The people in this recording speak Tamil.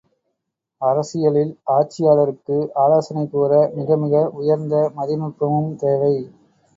அரசியலில் ஆட்சியாளருக்கு ஆலோசனை கூற மிக மிக உயர்ந்த மதிநுட்பமும் தேவை.